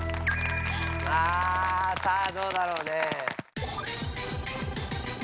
あさあどうだろうね？